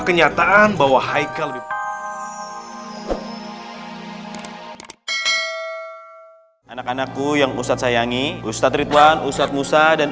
kenyataan bahwa haikal di anak anakku yang usah sayangi ustadz ridwan ustadz musa dan